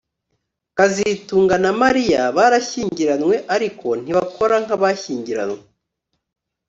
kazitunga na Mariya barashyingiranywe ariko ntibakora nkabashyingiranywe